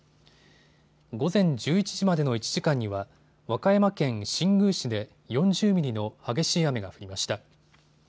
午前１１時までの１時間には和歌山県新宮市で４０ミリの激しい雨が降りました。